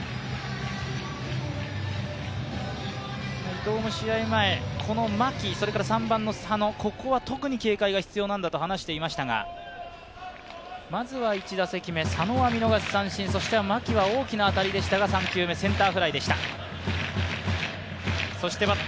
伊藤も試合前、佐野、牧、ここは特に警戒が必要なんだと話していましたが、まずは１打席目佐野は見逃し三振、そして牧は大きな当たりでしたが、３球目、センターフライでした。